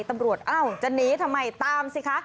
ตำรวจเอ้าจะหนีทำไมตามสิคะ